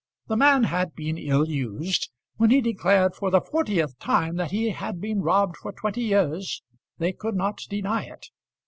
The man had been ill used. When he declared for the fortieth time that he had been robbed for twenty years, they could not deny it.